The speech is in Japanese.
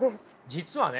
実はね